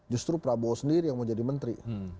justru prabowo sendiri yang mau jadi menteri